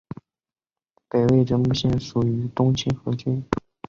北魏绎幕县属于东清河郡。